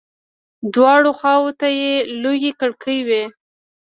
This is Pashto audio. دواړو خواو ته يې لويې کړکۍ وې.